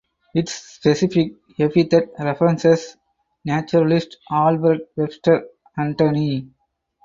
Its specific epithet references naturalist Alfred Webster Anthony.